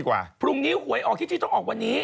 วันนี้เฮ้ยไหวออกกี้ที่ต้องออกวันนี้